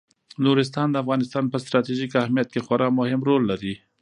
نورستان د افغانستان په ستراتیژیک اهمیت کې خورا مهم رول لري.